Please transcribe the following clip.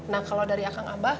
nah kalau dari kang abah